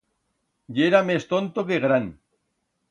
Yera mes tonto que gran.